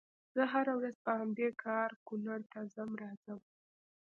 زه هره ورځ په همدې لار کونړ ته ځم راځم